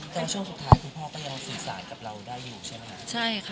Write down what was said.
แต่ว่าช่วงสุดท้ายคุณพ่อก็ยังสื่อสารกับเราได้อยู่ใช่ไหมคะใช่ค่ะ